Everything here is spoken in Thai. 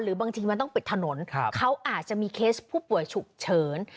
บางทีมันต้องปิดถนนเขาอาจจะมีเคสผู้ป่วยฉุกเฉิน